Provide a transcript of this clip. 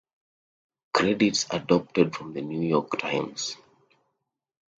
Credits adapted from "The New York Times".